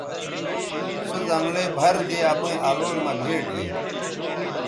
سو زنگلئ بَھر دے اپئیں الول مہ بھیٹ گے